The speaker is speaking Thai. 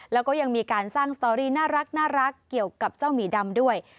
แล้วก็ยังมีการสร้างสตอรี่น่ารักเกี่ยวกับเจ้าหมีดำด้วย